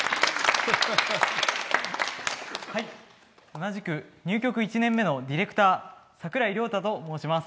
同じく入局１年目のディレクター櫻井遼太と申します。